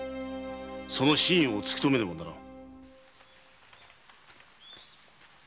その真意を突きとめねばならん。